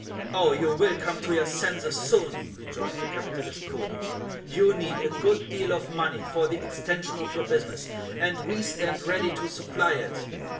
"Oh, you will come to your senses, soon," rejoined the capitalist, coolly. "You need a good deal of money for the extension of your business, and we stand ready to supply it.